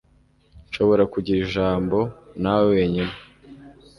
Nshobora kugira ijambo nawe wenyine?